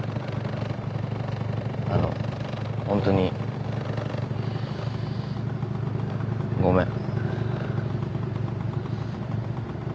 あのホントにごめん。